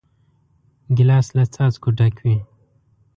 ګیلاس له څاڅکو ډک وي.